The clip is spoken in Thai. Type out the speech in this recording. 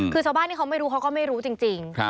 คือชาวบ้านที่เขาไม่รู้เขาก็ไม่รู้จริง